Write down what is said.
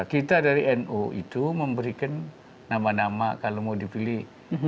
kita dari nu itu memberikan nama nama kalau mau dipilih